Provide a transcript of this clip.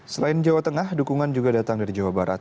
selain jawa tengah dukungan juga datang dari jawa barat